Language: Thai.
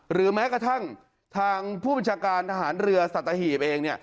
หรือแม้กระทั่งทางผู้บัญชาการอาหารเรือสัตว์ตะหีบเองเนี่ย